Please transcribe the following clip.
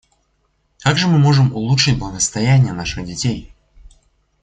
Как же мы можем улучшить благосостояние наших детей?